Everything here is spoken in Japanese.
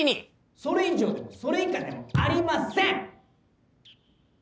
・それ以上でもそれ以下でもありません！